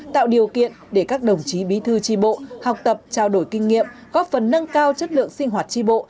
tạo điều kiện để các đồng chí bí thư tri bộ học tập trao đổi kinh nghiệm góp phần nâng cao chất lượng sinh hoạt tri bộ